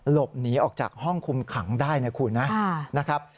หลบหนีออกจากห้องคุมขังได้นะคุณนะครับ